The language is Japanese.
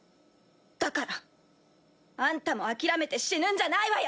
だからあんたも諦めて死ぬんじゃないわよ